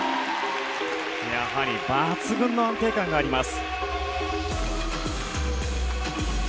やはり抜群の安定感があります。